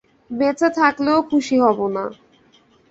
বেঁচে থাকলে ও খুশি হবে না।